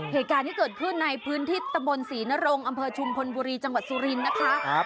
เหตุการณ์ที่เกิดขึ้นในพื้นที่ตะบนศรีนรงอำเภอชุมพลบุรีจังหวัดสุรินทร์นะคะ